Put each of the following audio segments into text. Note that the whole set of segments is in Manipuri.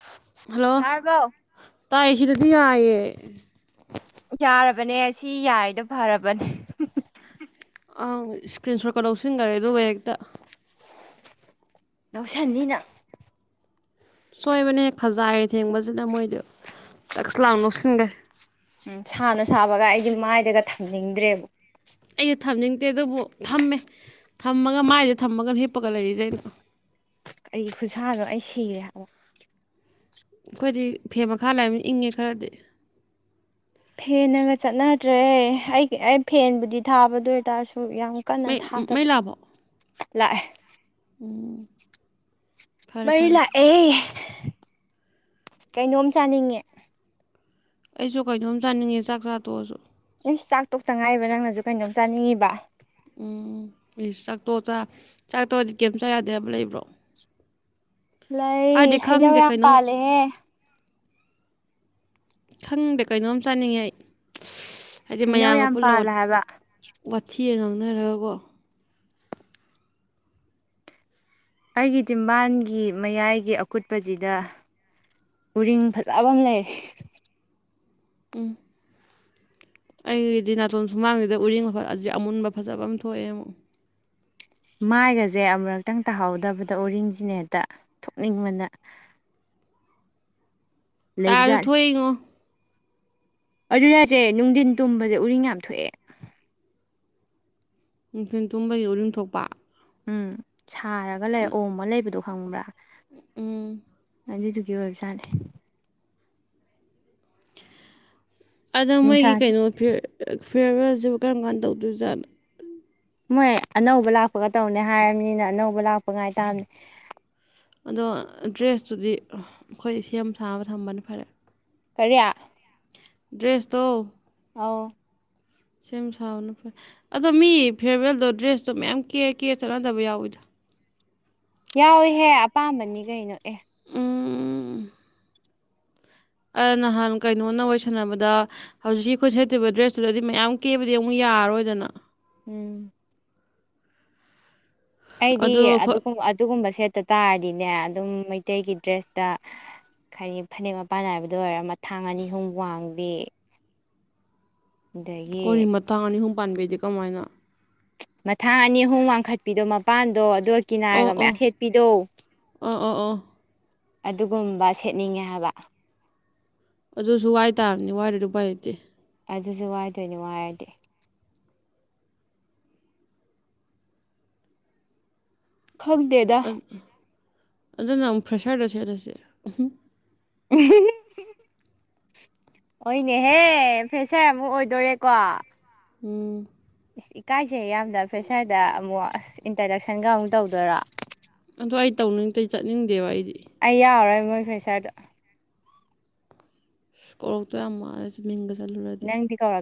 ꯫ ꯇꯥꯔꯕꫭ꯫ ꯇꯥꯏ ꯁꯤꯔꯗꯤ ꯌꯥꯑꯌꯦ ꯌꯥꯔꯕꯅꯦ ꯁꯤ ꯌꯥꯏꯗꯣ ꯐꯔꯕꯅꯦ ꯑꯪ ꯏꯁꯀ꯭ꯔꯤꯟ ꯁꯣꯠꯀ ꯂꯧꯁꯤꯟꯈꯔꯦ ꯑꯗꯨꯒꯕꯨ ꯍꯦꯛꯇ ꯂꯧꯎꯁꯟꯅꯤꯅ ꯁꯣꯏꯕꯅꯦꯍꯦꯛ ꯈꯖꯥꯏꯒꯤꯦ ꯊꯦꯡꯕꯁꯤꯅ ꯃꯣꯏꯗꯤ ꯇꯛꯁꯂꯥꯡ ꯅꯣꯛꯁꯤꯟꯈꯦ ꯎꯝ ꯁꯥꯅ ꯁꯥꯕꯒ ꯑꯩꯒꯤ ꯃꯥꯏꯗꯒ ꯊꯝꯅꯤꯡꯗ꯭ꯔꯦꯕ ꯑꯩꯁꯨꯦ ꯊꯝꯅꯤꯡꯗꯦ ꯑꯗꯨꯕꯨ ꯊꯝꯃꯦ ꯊꯝꯃꯒ ꯃꯥꯏꯁꯦ ꯊꯝꯃꯒ ꯍꯤꯞꯄꯒ ꯂꯩꯔꯤꯁꯦ ꯑꯩꯅ ꯑꯩ ꯈꯨꯠꯁꯥꯗꯣ ꯑꯩ ꯁꯤꯔꯦꯕ ꯑꯩꯈꯣꯏꯗꯤ ꯐꯦ ꯃꯈꯥ ꯂꯩꯕꯅꯤ ꯏꯪꯉꯦ ꯈꯔꯗꯤ ꯐꯦꯟꯒ ꯆꯠꯅꯗ꯭ꯔꯦ ꯑꯩ ꯑꯩ ꯐꯦꯟꯕꯨꯗꯤ ꯊꯥꯕꯗ ꯑꯣꯏꯇꯥꯔꯁꯨ ꯁꯨ ꯌꯥꯝ ꯀꯟꯅ ꯃꯩ ꯃꯩ ꯊꯥꯗꯕ ꯂꯥꯛꯑꯕꯣ ꯂꯥꯛꯑꯦ ꯎꯝ ꯃꯔꯔꯂ ꯑꯦ ꯀꯩꯅꯣꯝ ꯆꯥꯅꯤꯡꯉꯦ ꯑꯩꯁꯨ ꯀꯩꯅꯣꯝ ꯆꯥꯅꯤꯡꯉꯦ ꯆꯥꯛ ꯆꯥꯇꯣꯛꯑꯁꯨ ꯅꯪ ꯆꯥꯛ ꯇꯣꯛꯇ ꯉꯥꯏꯕ ꯅꯪꯅꯁꯨ ꯀꯩꯅꯣꯝ ꯆꯥꯅꯤꯡꯉꯤꯕ ꯎꯝ ꯏꯁ ꯆꯥꯛꯇꯣ ꯆꯥꯛ ꯇꯣꯗꯤ ꯀꯩꯝ ꯆ ꯌꯥꯗꯦ ꯍꯥꯏꯕ ꯂꯩꯕ꯭ꯔꯣ ꯂꯩ ꯍꯥꯏꯗꯤ ꯍꯩꯅꯧ ꯈꯪꯗꯦ ꯌꯥꯝ ꯀꯩꯅꯣꯝ ꯄꯥꯜꯂꯦ ꯈꯪꯗꯦ ꯀꯩꯅꯣꯝ ꯆꯥꯅꯤꯡꯉꯦ ꯑꯩ ꯍꯥꯏꯗꯤ ꯍꯩꯅꯧ ꯃꯌꯥꯝꯒ ꯌꯥꯝ ꯄꯨꯜꯂ ꯄꯥꯜꯂꯦ ꯍꯥꯏꯕ ꯋꯥꯊꯦꯡꯉ ꯈꯅꯔꯕ ꯑꯩꯒꯤ ꯇꯖꯤꯝꯕꯥꯟꯒꯤ ꯃꯌꯥꯏꯒꯤ ꯑꯀꯨꯠꯄꯁꯤꯗ ꯎꯔꯤꯡ ꯐꯖꯕ ꯑꯃ ꯂꯩꯔꯦ ꯎꯝ ꯑꯩꯒꯤꯗꯤ ꯅꯥꯇꯣꯟ ꯁꯨꯃꯥꯡꯁꯤꯗ ꯎꯔꯤꯡ ꯑꯃꯨꯟꯕ ꯐꯖꯕ ꯑꯃ ꯊꯣꯛꯑꯦ ꯑꯃꯨꯛ ꯃꯥꯏꯒꯁꯦ ꯑꯃꯨꯨꯔꯛꯇꯪ ꯇꯥꯍꯧꯗꯕꯗ ꯑꯣꯔꯤꯡꯁꯤꯅ ꯍꯦꯛꯇ ꯊꯣꯛꯅꯤꯡꯕꯅ ꯇꯥꯔꯁꯨ ꯊꯣꯛꯏꯉꯣ ꯑꯗꯨꯅꯁꯦ ꯅꯨꯡꯊꯤꯟ ꯇꯨꯝꯕꯁꯦ ꯎꯔꯤꯡ ꯌꯥꯝ ꯊꯣꯛꯑꯦ ꯅꯨꯡꯊꯜ ꯇꯨꯝꯕꯒꯤ ꯎꯔꯤꯨꯝ ꯊꯣꯛꯄ ꯎꯝ ꯁꯥꯔꯒ ꯂꯩꯔ ꯑꯣ ꯑꯃ ꯂꯩꯕꯗꯣ ꯐꯪꯕ꯭ꯔꯥ ꯎꯝ ꯑꯗꯨꯗꯨꯒꯤ ꯑꯣꯏꯕꯖꯥꯠꯅꯤ ꯑꯗ ꯃꯣꯏꯒꯤ ꯅꯨꯡꯁꯥ ꯀꯩꯅꯣꯤ ꯐꯤꯌꯔꯋꯦꯜꯁꯤꯕꯨ ꯀꯔꯝ ꯀꯥꯟꯗ ꯇꯧꯗꯣꯏꯖꯥꯠꯅꯣ ꯃꯣꯏ ꯑꯅꯧꯕ ꯂꯥꯛ ꯒ ꯇꯧꯅꯦ ꯍꯥꯏꯔꯔꯕꯅꯤꯅ ꯑꯅꯧꯕ ꯂꯥꯛꯄ ꯄꯉꯥꯏ ꯇꯕꯅꯦ ꯑꯗꯣ ꯗ꯭ꯔꯦꯁꯇꯨꯗꯤ ꯑꯩꯈꯣꯏ ꯁꯦꯝ ꯁꯥꯕ ꯊꯝꯕꯅꯤ ꯐꯔꯦ ꯀꯔꯤꯌꯥ ꯗ꯭ꯔꯦꯁ ꯇꯣ ꯑꯥꯎ ꯁꯦꯝ ꯁꯥꯕꯅ ꯐꯔꯦ ꯑꯗꯣ ꯃꯤ ꯐꯤꯌꯔꯋꯦꯜꯗꯣ ꯗ꯭ꯔꯦꯁꯇꯣ ꯃꯌꯥꯝ ꯀꯦ ꯀꯦ ꯆꯠꯅꯗꯕ ꯌꯥꯎꯋꯤꯗ ꯌꯥꯎꯏꯦꯍꯦ ꯑꯄꯥꯝꯕꯅꯤ ꯀꯩꯅꯣ ꯑꯦ ꯎꯝ ꯑ ꯅꯍꯥꯟ ꯀꯩꯅꯣꯅ ꯋꯥꯁꯟꯅꯕꯗ ꯍꯧꯖꯤꯛꯀꯤ ꯑꯩꯈꯣꯏ ꯁꯦꯠꯇꯕ ꯗ꯭ꯔꯦꯁꯇꯨꯗꯗꯤ ꯃꯌꯥꯝ ꯀꯦꯕꯗꯤ ꯑꯃꯨꯛ ꯌꯥꯔꯔꯣꯏꯗꯅ ꯎꯝ ꯑꯩꯗꯤ ꯑꯗꯣ ꯑꯩꯈꯣꯏ ꯑꯗꯨꯒꯨꯝ ꯑꯗꯨꯒꯨꯝꯕꯁꯦ ꯇ ꯇꯥꯔꯗꯤꯅꯦ ꯑꯗꯨꯝ ꯃꯩꯇꯩꯒꯤ ꯗ꯭ꯔꯦꯁꯇ ꯈꯅꯤ ꯐꯅꯦꯛ ꯃꯄꯥꯟ ꯅꯥꯏꯕꯗ ꯑꯣꯏꯔ ꯃꯊꯥꯡ ꯑꯅꯤ ꯑꯍꯨꯝ ꯋꯥꯡꯕꯤ ꯑꯗꯒꯤ ꯀꯔꯤꯃ ꯇꯅꯤ ꯍ ꯄꯥꯟꯕꯦꯗꯤ ꯀ ꯍꯥꯏ ꯑꯣꯏꯅ ꯃꯊꯥꯡ ꯑꯅꯤ ꯑꯍꯨꯝ ꯋꯥꯡꯈꯠꯄꯤꯗꯣ ꯃꯄꯥꯟꯗꯣ ꯑꯣꯠ ꯀꯤ ꯑꯣ ꯅꯥꯏꯔꯒ ꯃꯌꯥꯝ ꯑꯣ ꯁꯦꯠꯄꯤꯗꯣ ꯑꯣ ꯑꯣ ꯑꯗꯨꯒꯨꯝꯕ ꯁꯦꯠꯅꯤꯡꯉꯦ ꯍꯥꯏꯕ ꯑꯗꯨꯁꯨ ꯋꯥꯏ ꯇꯥꯕꯅꯤ ꯋꯥꯏꯔꯗꯨ ꯎ ꯄꯥꯏ ꯍꯇꯦ ꯑꯗꯨꯁꯨ ꯋꯥꯏꯗꯣꯏꯅꯦ ꯋꯥꯔꯗꯤ ꯈꯒ ꯗꯦꯗ ꯑꯗꯨꯅ ꯑꯃꯨꯛ ꯐ꯭ꯔꯦꯁꯔꯗ ꯁꯦꯠꯂꯁꯦ ꯎꯝ ꯍꯅꯦꯍꯦ ꯐꯦꯁꯔ ꯑꯃꯨꯛ ꯑꯣꯏꯗꯣꯔꯦꯀꯣ ꯎꯝ ꯁ ꯏꯀꯥꯏꯁꯦ ꯌꯥꯝꯅ ꯐ꯭ꯔꯦꯁꯔꯗ ꯑꯃꯨꯛ ꯑꯁ ꯏꯟꯇ꯭ꯔꯗꯛꯁꯟꯒ ꯑꯃꯨꯛ ꯇꯧꯗꯣꯏꯔꯣ ꯑꯗ ꯑꯩ ꯇꯧꯅꯤꯡꯇ ꯆꯠꯅꯤꯡꯗꯦꯕ ꯑꯩꯗꯤ ꯑꯩ ꯌꯥꯎꯔꯔꯣꯏ ꯃꯣꯏ ꯐ꯭ꯔꯦꯁꯔꯗ ꯀꯣꯔꯣꯛꯛꯇꯣ ꯌꯥꯝ ꯋꯥꯔꯦꯁꯦ ꯃꯤꯒ ꯆꯠꯂꯨꯔꯗꯤ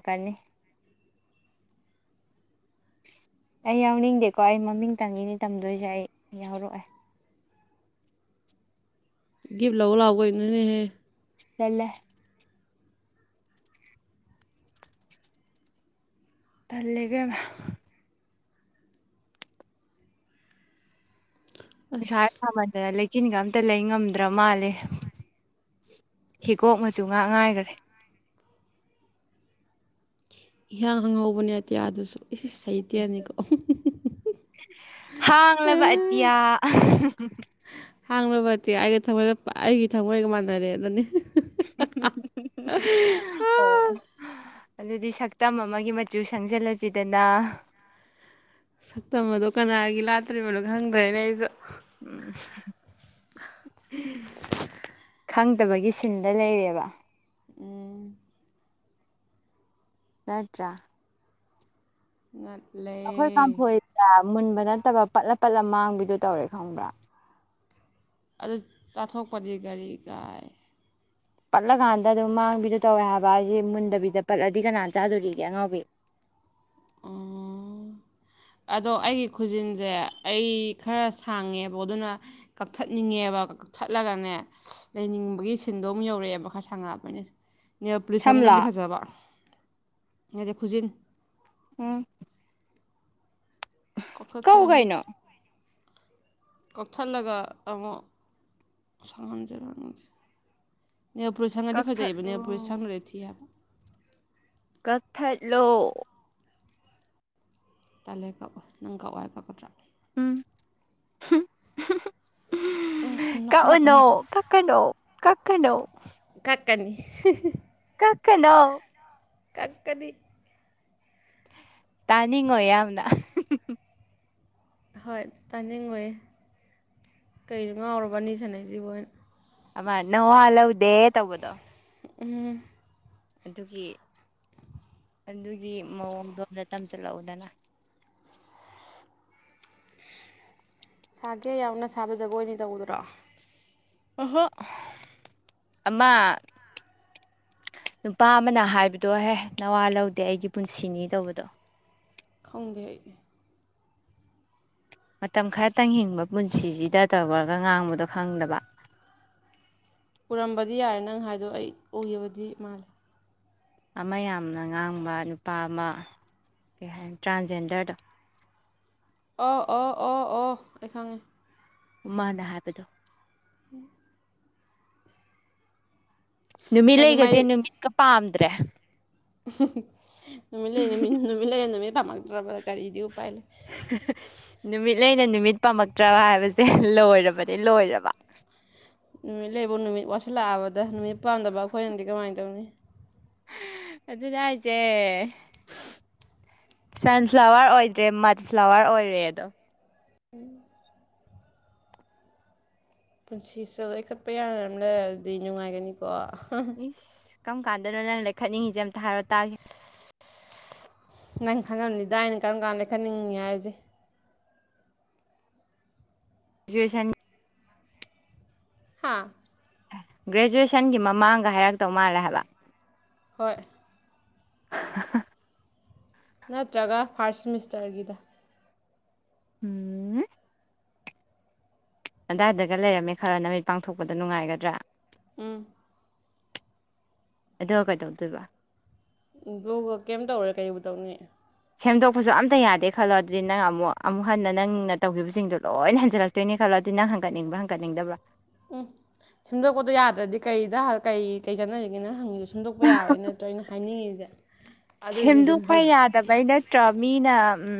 ꯀꯅꯤ ꯑꯩ ꯌꯥꯎꯅꯤꯡꯗꯦꯀꯣ ꯑꯩ ꯃꯃꯤꯡ ꯇꯪꯉꯤꯅꯤ ꯇꯝꯗꯣꯏꯁꯦ ꯑꯩ ꯌꯥꯎꯔꯛꯑꯦ ꯒꯤꯐ ꯂꯧꯧꯕ ꯂꯥꯎꯑꯣꯒ ꯏꯅꯦꯍꯦ ꯏꯂꯦ ꯇꯜ ꯂꯩꯕꯃ ꯁ ꯑꯁ ꯊꯕꯗꯦ ꯂꯩ ꯏꯆꯤꯟꯒ ꯑꯝꯇ ꯂꯩ ꯉꯝꯗ꯭ꯔ ꯃꯥꯜꯂꯦ ꯍꯤꯀꯣꯛ ꯃꯆ ꯉꯥꯛ ꯉꯥꯏꯈꯔꯦ ꯏꯍꯥꯛ ꯍꯧꯕꯅꯦꯇꯦ ꯑꯗꯨꯁꯨ ꯍꯥꯡꯕ ꯑꯇꯤꯌꯥ ꯍꯥꯡꯂꯨꯕꯗꯤꯦ ꯑꯩꯒ ꯊꯃꯣꯏꯒ ꯑꯩꯒꯤ ꯊꯃꯣꯏꯒ ꯃꯥꯟꯅꯔꯦ ꯑꯗꯨꯅꯤ ꯑꯣ ꯑꯗꯨꯗꯤ ꯁꯛꯇꯝ ꯑꯃꯒꯤ ꯃꯆꯨ ꯁꯪꯖꯜꯂꯁꯤꯗꯅ ꯁꯛꯇꯝ ꯑꯗꯣ ꯀꯅꯥꯒꯤ ꯂꯥꯇ꯭ꯔꯤꯕꯅꯣ ꯈꯪꯗ꯭ꯔꯦꯅꯦ ꯑꯩꯁꯨ ꯎꯝ ꯈꯪꯗꯕꯒꯤ ꯁꯤꯟꯗ ꯂꯩꯔꯦꯕ ꯎꯝ ꯅꯠꯇ꯭ꯔꯥ ꯉꯠꯂꯦ ꯑꯈꯣꯏ ꯀꯥꯟ ꯐꯣꯏ ꯃꯨꯟꯕ ꯅꯠꯇꯕ ꯄꯠꯂꯞ ꯄꯠꯂ ꯃꯥꯡꯕꯤꯗꯣ ꯇꯧꯔꯦ ꯈꯪꯕ꯭ꯔꯥ ꯑꯗꯨ ꯆꯥꯊꯣꯛꯄꯗꯤ ꯒꯥꯔꯤ ꯀꯥꯏ ꯄꯠꯂꯀꯥꯟꯗ ꯑꯗꯨꯝ ꯃꯥꯡꯕꯤꯗꯣ ꯇꯧꯋꯦ ꯍꯥꯏꯕ ꯑꯩꯁꯦ ꯃꯨꯟꯗꯕꯤꯗ ꯄꯠꯂꯗꯤ ꯀꯅꯥꯅ ꯆꯥꯗꯣꯔꯤꯒꯦ ꯑꯉꯥꯎꯕꯤ ꯎꯝ ꯑꯗꯣ ꯑꯩꯒꯤ ꯈꯨꯖꯤꯟꯁꯦ ꯑꯩ ꯈꯔ ꯁꯥꯡꯉꯦꯕ ꯑꯗꯨꯅ ꯀꯛꯊꯠꯅꯤꯡꯉꯦꯕ ꯀꯛꯊꯠꯂꯒꯅꯦ ꯂꯩꯅꯤꯡꯕꯒꯤ ꯁꯤꯟꯗꯣ ꯑꯃꯨꯛ ꯌꯧꯔꯛꯑꯦꯕ ꯈꯔ ꯁꯥꯡꯉꯛꯑꯕꯅꯤꯅ ꯅꯦꯜ ꯄꯨꯂꯤꯁ ꯁꯝꯂꯣ ꯁꯪꯕꯗꯤ ꯐꯖꯕ ꯅꯠꯆꯦ ꯈꯨꯖꯤꯟ ꯎꯝ ꯀꯛꯊꯠ ꯀꯛꯎ ꯁꯤꯔ ꯈꯪꯗꯦ ꯀꯩꯅꯣ ꯀꯛꯊꯠꯂꯒ ꯑꯃꯨꯛ ꯁꯪꯍꯟꯖꯤꯔꯣ ꯅꯦꯜꯄꯨꯂꯤꯁ ꯁꯪꯉꯗꯤ ꯐꯖꯩꯌꯦꯕ ꯀꯛꯊꯠꯂꯣ ꯅꯦꯜꯄꯨꯂꯤꯁ ꯁꯪꯉꯗꯤ ꯊꯤ ꯍꯥꯏꯕ ꯀꯠꯊꯠꯂꯣ ꯇꯜꯂꯦ ꯀꯛꯄ ꯅꯪ ꯀꯛꯑꯣ ꯍꯥꯏ ꯀꯛꯀꯗ꯭ꯔꯥ ꯎꯝ ꯍꯝ ꯍꯝ ꯎꯝ ꯍꯤ ꯀꯛꯎꯅꯣ ꯅꯣꯛꯁꯤꯜꯂꯛꯀꯅꯨ ꯀꯛꯀꯅꯣ ꯀꯛꯀꯅꯣ ꯀꯅꯤ ꯀꯒꯀꯅꯣ ꯀꯛꯀꯅꯤ ꯇꯥꯅꯤꯡꯉꯣ ꯌꯥꯝꯅ ꯍꯣꯏ ꯇꯥꯅꯤꯡꯉꯣꯏꯌꯦ ꯀꯩꯅꯣ ꯉꯥꯎꯔꯕ ꯑꯅꯤ ꯁꯥꯟꯅꯁꯤꯕꯣꯅ ꯑꯃ ꯅꯋꯣ ꯂꯧ ꯗꯦ ꯇꯧꯕꯗꯣ ꯎꯝ ꯑꯗꯨꯒꯤ ꯑꯗꯨꯒꯤ ꯃꯑꯣꯡꯗꯣ ꯇꯝꯁꯤꯜꯂꯛꯎꯗꯅ ꯁꯥꯒꯦ ꯌꯥꯎꯅ ꯁꯥꯕ ꯖꯒꯣꯏꯅꯤ ꯇꯧꯗ꯭ꯔꯣ ꯑꯍꯣ ꯑꯃ ꯅꯨꯄꯥ ꯑꯃꯅ ꯍꯥꯏꯕꯗꯣꯍꯦ ꯅꯋꯥ ꯂꯧꯗꯦ ꯑꯩꯒꯤ ꯄꯨꯟꯁꯤꯅꯤ ꯇꯧꯕꯗꯣ ꯈꯣꯡꯗꯦ ꯑꯩ ꯃꯇꯝ ꯈꯔꯇꯪ ꯍꯤꯡꯕ ꯄꯨꯟꯁꯤꯁꯤꯗ ꯇꯧꯔꯒ ꯉꯥꯡꯕꯗꯣ ꯈꯪꯗꯕ ꯎꯔꯝꯕꯗꯤ ꯌꯥꯔꯦ ꯅꯪ ꯍꯥꯏꯗꯣ ꯑꯩ ꯎꯈꯤꯕꯗꯤ ꯃꯥꯜꯂꯦ ꯑꯃ ꯌꯥꯝꯅ ꯉꯥꯡꯕ ꯅꯨꯄꯥ ꯑꯃ ꯀꯩ ꯍꯥꯏꯅꯤ ꯇ꯭ꯔꯥꯟꯖꯦꯟꯗꯔꯗꯣ ꯑꯣ ꯑꯣ ꯑꯣ ꯑꯣ ꯑꯩ ꯈꯪꯉꯦ ꯃꯥꯅ ꯍꯥꯏꯕꯗꯣ ꯎꯝ ꯅꯨꯃꯤꯠ ꯃꯥꯗꯤ ꯂꯩꯒꯁꯦ ꯃꯥꯏ ꯅꯨꯃꯤꯠꯀ ꯄꯥꯝꯗ ꯇ꯭ꯔꯦ ꯅꯨꯃꯤꯠ ꯂꯩ ꯅꯨꯃꯤꯠ ꯂꯩꯅ ꯅꯨꯃꯤꯠ ꯇꯥ ꯇꯝꯃꯛꯇꯔꯕ ꯀꯔꯤꯗꯣ [unintelligible] ꯅꯨꯃꯤꯠ ꯂꯩꯅ ꯅꯨꯃꯤꯠ ꯄꯥꯝꯃꯛꯇ꯭ꯔꯕ ꯍꯥꯏꯕꯁꯦ ꯂꯣꯏꯔꯕꯅꯤ ꯂꯣꯏꯔꯕ꯫ ꯅꯨꯃꯤꯠ ꯂꯩꯕꯨ ꯅꯨꯃꯤꯠ ꯋꯥꯠꯁꯤꯜꯂꯛꯑꯕꯗ ꯅꯨꯃꯤꯠ ꯄꯥꯝꯗꯕ ꯑꯩꯈꯣꯏꯅꯗꯤ ꯀꯃꯥꯏꯅ ꯇꯧꯅꯤ꯫ ꯑꯗꯨꯅꯦ ꯍꯥꯏꯁꯦ ꯁꯟꯐ꯭ꯂꯥꯋꯔ ꯑꯣꯏꯗ꯭ꯔꯦ ꯃꯗꯐ꯭ꯂꯥꯋꯔ ꯑꯣꯏꯔꯦ ꯑꯗꯣ꯫ [inaudible] ꯄꯨꯟꯁꯤꯁꯦ ꯂꯣꯏꯈꯠꯄ ꯌꯥꯔꯝꯂꯗꯤ ꯅꯨꯡꯉꯥꯏꯒꯅꯤꯀꯣ꯫ [unintelligible] ꯏꯁ ꯀꯔꯝ ꯀꯥꯟꯗꯅꯣ ꯅꯪ ꯂꯩꯈꯠꯅꯤꯡꯉꯤꯁꯦ ꯑꯝꯇ ꯍꯥꯏꯔꯣ ꯇꯥꯒꯦ꯫ ꯅꯪ ꯈꯪꯉꯝꯅꯤꯗ ꯑꯩꯅ ꯀꯔꯝ ꯀꯥꯟꯗ ꯂꯩꯈꯠꯅꯤꯡꯉꯤ ꯍꯥꯏꯁꯦ꯫ ꯖꯨꯋꯦꯁꯟ ꯍꯥꯥ ꯒ꯭ꯔꯦꯖꯨꯋꯦꯁꯟꯒꯤ ꯃꯃꯥꯡꯒ ꯍꯥꯏꯔꯛꯇꯧ ꯃꯥꯜꯂꯦ ꯍꯥꯏꯕ꯫ ꯍꯣꯏ꯫ [unintelligible] ꯅꯠꯇ꯭ꯔꯒ ꯐꯥꯔꯁ ꯁꯤꯃꯤꯁꯇꯔꯒꯤꯗ꯫ ꯎꯝ ꯑꯗꯥꯏꯗꯒ ꯂꯩꯔꯝꯃꯦ ꯈꯔ ꯅꯃꯤꯠ ꯄꯥꯡꯊꯣꯛꯄꯗ ꯅꯨꯡꯉꯥꯏꯒꯗ꯭ꯔꯥ꯫ ꯎꯝ ꯑꯗꯣ ꯀꯩꯗꯧꯗꯣꯏꯕ꯫ ꯑꯗꯨꯒ ꯀꯩꯝ ꯇꯧꯔꯦ ꯀꯩꯨ ꯇꯧꯅꯤ꯫ ꯁꯦꯝꯗꯣꯛꯄꯁꯨ ꯑꯝꯇ ꯌꯥꯗꯦ ꯈꯜꯂꯣ ꯑꯗꯨꯗꯤ ꯅꯪ ꯑꯃꯨꯛ ꯑꯃꯨꯛ ꯍꯟꯅ ꯅꯪꯅ ꯇꯧꯈꯤꯕꯁꯤꯡꯗꯣ ꯂꯣꯏꯅ ꯍꯟꯖꯤꯜꯂꯛꯇꯣꯏꯅꯤ ꯈꯜꯂꯣ ꯑꯗꯨꯗꯤ ꯅꯪ ꯍꯪꯒꯠꯅꯤꯡꯕ꯭ꯔꯥ ꯍꯪꯀꯠꯅꯤꯡꯗꯕ꯭ꯔꯥ꯫ ꯎꯝ ꯁꯦꯝꯗꯣꯛꯄꯗꯣ ꯌꯥꯗ꯭ꯔꯗꯤ ꯀꯩꯗ ꯀꯩ ꯀꯩ ꯀꯥꯅꯔꯤꯒꯦ ꯅꯪ ꯁꯦꯝꯗꯣꯛꯄ ꯌꯥꯕꯩ ꯅꯠꯇ꯭ꯔꯣ ꯑꯩꯅ ꯍꯥꯏꯅꯤꯡꯉꯤꯁꯦ ꯑꯗꯨꯗꯤ ꯑꯗꯨꯝ ꯁꯦꯝꯗꯣꯛꯄ ꯍꯧꯖꯤꯛ ꯌꯥꯗꯕꯩ ꯅꯠꯇ꯭ꯔꯣ ꯃꯤꯅ ꯎꯝ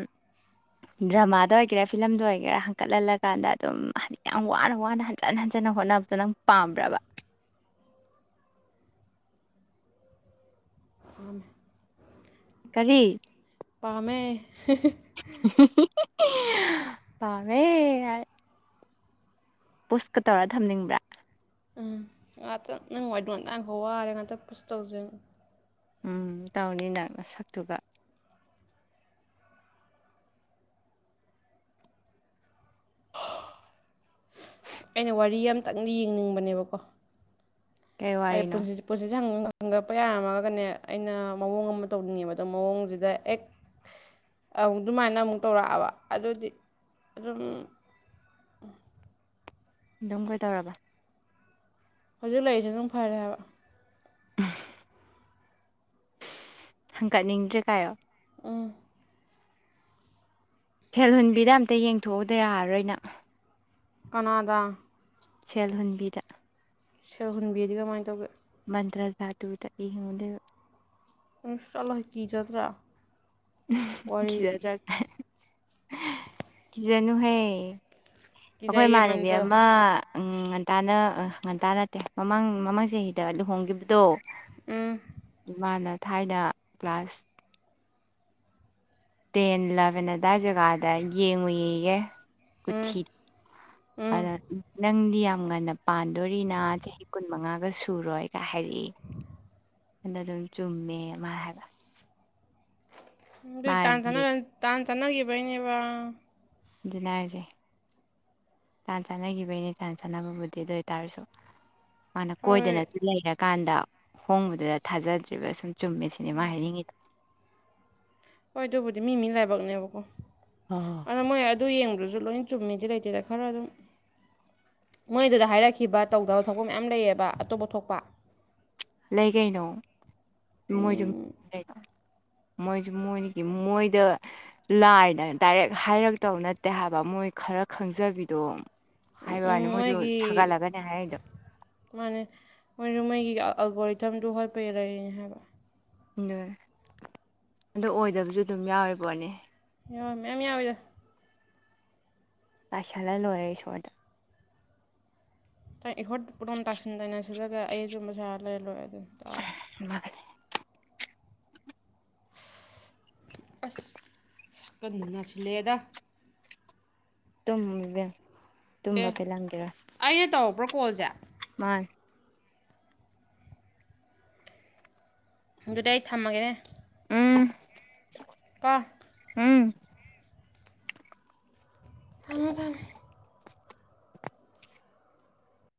ꯗ꯭ꯔꯃꯥꯗ ꯑꯣꯏꯒꯦꯔꯥ ꯐꯤꯂꯝꯗ ꯑꯣꯏꯒꯦꯔꯥ ꯍꯟꯀꯠꯍꯜꯂꯀꯥꯟꯗ ꯑꯗꯨꯝ ꯌꯥꯝ ꯋꯥꯅ-ꯋꯥꯅ ꯍꯟꯖꯤꯟ ꯍꯟꯖꯟꯅ ꯍꯣꯠꯅꯕꯗꯣ ꯅꯪ ꯄꯥꯝꯕ꯭ꯔꯕ꯫ ꯑꯝ ꯀꯔꯤ ꯄꯥꯝꯃꯦ꯫ [unintelligible] ꯄꯝꯥꯃꯦ ꯄꯨꯁꯀ ꯇꯧꯔ ꯊꯝꯅꯤꯡꯕ꯭ꯔꯥ꯫ ꯑ ꯉꯥꯇꯪ ꯅꯪꯒꯤ ꯋꯥꯔꯤꯗꫭ ꯑꯝꯇ ꯉꯥꯏꯈꫭ ꯋꯥꯔꯦ ꯉꯍꯥꯛꯇꯪ ꯄꯨꯁ ꯇꯧꯁꯦ꯫ ꯎꯝ ꯇꯧꯅꯤꯅꯡ ꯅꯁꯛꯇꯨꯒ꯫ [inaudible] ꯑꯩꯅ ꯋꯥꯔꯤ ꯑꯃꯇꯪꯅ ꯌꯦꯡꯅꯤꯡꯕꯅꯦꯕꯀꯣ꯫ ꯀꯩ ꯍꯥꯏ ꯋꯥꯔꯤꯅꯣ ꯄꯨꯟꯁꯤꯁ ꯄꯨꯟꯁꯤꯁ ꯍꯪ ꯍꯪꯒꯠꯄ ꯌꯥꯔꯝꯃꯒꯅꯦ ꯑꯩꯅ ꯃꯑꯣꯡ ꯑꯃ ꯇꯧꯅꯤꯡꯉꯦꯕ ꯑꯗꯣ ꯃꯑꯣꯡꯁꯤꯗ ꯍꯦꯛ ꯑꯃꯨꯛ ꯑꯗꯨꯃꯥꯏꯅ ꯑꯃꯨꯛ ꯇꯧꯔꯛꯑꯕ ꯑꯗꯨꯗꯤ ꯑꯗꯨꯝ ꯑꯗꯨꯝ ꯀꯩꯗꯧꯔꯕ꯫ ꯍꯧꯖꯤꯛ ꯂꯩꯔꯤꯁꯦ ꯑꯗꯨꯝ ꯐꯔꯦ ꯍꯥꯏꯕ꯫ [unintelligible] ꯍꯪꯀꯠꯅꯤꯡꯗ꯭ꯔꯦ ꯀꯥꯏꯣ꯫ ꯎꯝ ꯁꯦꯜ ꯍꯨꯟꯕꯤꯗ ꯑꯝꯇ ꯌꯦꯡꯊꯣꯛꯎꯗ ꯌꯥꯔꯔꯣꯏꯅ꯫ ꯀꯅꯥꯗꯥ꯫ ꯁꯦꯜ ꯍꯨꯟꯕꯤꯗ꯫ ꯁꯦꯜꯍꯨꯟꯕꯤꯗꯤ ꯀꯃꯥꯏꯅ ꯇꯧꯒꯦ꯫ ꯃꯟꯇ꯭ꯔ ꯥ ꯇꯨꯗ ꯏ ꯍꯗ ꯏꯟꯁꯥꯜꯥ ꯀꯤꯖꯠ ꯔ [unintelligible] ꯀꯤꯖꯅꯨꯍꯦ ꯑꯈꯣꯏ ꯀꯤꯖꯩꯌꯦ ꯏꯃꯥꯟꯅꯕꯤ ꯃꯟꯗ ꯑꯃ ꯎꯝ ꯉꯟꯇꯥꯅ ꯉꯟꯇꯥ ꯅꯠꯇꯦ ꯃꯃꯥꯡ ꯃꯃꯥꯡ ꯆꯍꯤꯗ ꯂꯨꯍꯣꯡꯒꯤꯕꯗꯣ ꯎꯝ ꯃꯥꯅ ꯊꯥꯏꯅ ꯀ꯭ꯂꯥꯁ ꯇꯦꯟ ꯂꯕꯦꯟ ꯑꯗꯥꯏ ꯖꯒꯥꯗ ꯌꯦꯡꯉꯨꯏ ꯑꯌꯦ ꯀꯨꯊꯤ ꯑꯗ ꯅꯪꯗꯤꯌꯥꯝ ꯉꯟꯅ ꯄꯥꯟꯗꯣꯔꯤꯅ ꯆꯍꯤ ꯀꯨꯟ ꯃꯉꯥꯒ ꯁꯨꯔꯣꯏꯒ ꯍꯥꯏꯔꯛꯏ ꯑꯗ ꯑꯗꯨꯝ ꯆꯨꯝꯃꯦ ꯑꯃ ꯍꯥꯏꯕ ꯇꯥꯟꯆꯥꯅ ꯃꯥꯅꯗꯤ ꯇꯥꯟ ꯆꯥꯟꯅꯒꯤꯕꯩꯅꯦꯕ ꯑꯗꯨꯅꯦ ꯍꯥꯏꯁꯦ ꯇꯥꯟ ꯆꯥꯟꯅꯈꯤꯕꯒꯤꯅꯦ ꯇꯥꯟ ꯆꯥꯟꯅꯕꯕꯨꯗꯤ ꯑꯗꯨ ꯑꯣꯏ ꯇꯔꯁꯨ ꯃꯥꯅ ꯍꯣꯏ ꯀꯣꯏꯗꯅꯁꯨ ꯂꯩꯔꯒꯦ ꯀꯥꯟꯗ ꯍꯣꯡꯕꯗꯨꯗ ꯊꯥꯖꯗ꯭ꯔꯤꯕ ꯁꯨꯝ ꯆꯨꯝꯃꯦ ꯁꯤꯅꯦꯃꯥ ꯍꯥꯏꯅꯤꯡꯉꯤꯗꯣ ꯍꯣꯏ ꯑꯗꯨꯕꯨꯗꯤ ꯃꯤ ꯃꯤ ꯂꯥꯏꯕꯛꯅꯦꯕꯀꯣ ꯑ ꯑꯗꯣ ꯃꯣꯏ ꯑꯗꯨ ꯌꯦꯡꯗ꯭ꯔꯁꯨ ꯂꯣꯏ ꯆꯨꯝꯃꯤꯗꯤ ꯂꯩꯇꯦꯗ ꯈꯔ ꯑꯗꯨꯝ ꯃꯣꯏꯗꯨꯗ ꯍꯥꯏꯔꯛꯈꯤꯕ ꯇꯧꯗꯕ ꯊꯣꯛꯄ ꯃꯌꯥꯝ ꯂꯩꯌꯦꯕ ꯑꯇꯣꯞꯄ ꯊꯣꯛꯄ ꯂꯩ ꯀꯩꯅꯣ ꯃꯣꯏꯖꯨꯝ ꯂꯩ ꯃꯣꯏꯁꯨ ꯃꯣꯏꯒꯤ ꯃꯣꯏꯗ ꯂꯥꯏꯗ ꯗꯥꯏꯔꯦꯛ ꯍꯥꯏꯔꯛꯇꯕ ꯅꯠꯇꯦ ꯍꯥꯏꯕ ꯃꯣꯏ ꯈꯔ ꯈꯪꯖꯕꯤꯗꯣ ꯎꯝ ꯍꯥꯏꯕ ꯎꯝ ꯋꯥꯅꯤ ꯃꯣꯏꯁꯨ ꯃꯣꯏꯒꯤ ꯁꯥꯒꯠꯂꯒꯅꯦ ꯍꯥꯏꯗꯣ ꯑꯜꯒꯣꯔꯤꯇꯝꯗꯨ ꯍꯣꯠꯄꯩꯅꯦ ꯍꯥꯏꯕ ꯑꯗꯣ ꯑꯣꯏꯗꯕꯁꯨ ꯑꯗꯨꯝ ꯌꯥꯎꯔꯤ ꯄꯣꯠꯅꯦ ꯌꯥꯎ ꯃꯌꯥꯝ ꯌꯥꯎꯋꯤꯗ ꯇꯥꯏꯁꯜꯂ ꯂꯣꯏꯔꯦ ꯏꯁꯣꯔꯗ [unintelligible] ꯄꯨꯔꯣꯝ ꯇꯥꯁꯤꯟ ꯇꯥꯏꯅ ꯁꯤꯜꯂꯒ ꯑꯩ ꯑꯆꯨꯝꯕꯁꯔ ꯂꯩꯔ ꯂꯣꯏ ꯃꯥꯅꯦ ꯑꯁ ꯁꯛꯀꯟꯗꯨꯝ ꯅꯁꯜꯂꯛꯑꯦꯗ ꯇꯨꯝ [unintelligible] ꯑꯦ ꯇꯨꯝꯕ ꯄꯦꯜꯂꯝꯒꯤꯔꯣꯏ ꯑꯩꯅ ꯇꯧꯔꯛꯄ꯭ꯔꯣ ꯀꯣꯜꯁꯦ ꯃꯥ ꯑꯗꯨꯗꯤ ꯑꯩ ꯊꯝꯃꯒꯦꯅꯦ ꯎꯝ ꯀ ꯎꯝ ꯊꯝꯃꯦ ꯊꯝꯃꯦ